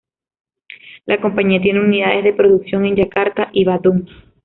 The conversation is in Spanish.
La compañía tiene unidades de producción en Yakarta y Bandung.